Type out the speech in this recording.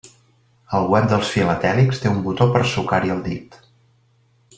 El web dels filatèlics té un botó per sucar-hi el dit.